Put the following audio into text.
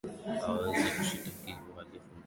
hawawezi kushitaki uhalifu mkubwa kiasi hiki